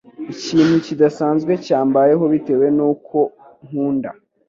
ikintu kidasanzwe cyambayeho bitewe n'uko nkunda